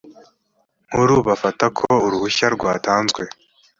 nkuru bafata ko uruhushya rwatanzwe